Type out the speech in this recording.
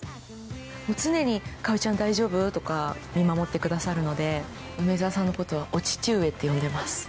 もう常に「かおりちゃん大丈夫？」とか見守ってくださるので梅沢さんのことは「お父上」って呼んでます。